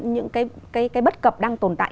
những cái bất cập đang tồn tại